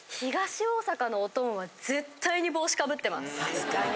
確かに。